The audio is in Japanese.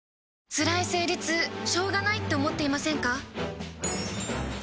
つらい生理痛しょうがないって思っていませんか？